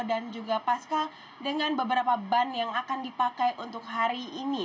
dan juga pascal dengan beberapa ban yang akan dipakai untuk hari ini